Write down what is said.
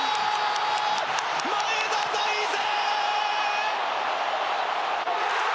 前田大然！